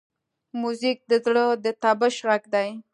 موزیک د زړه د طپش غږ دی.